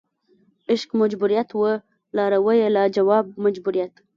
عشق مجبوریت وه لارویه لا جواب مجبوریت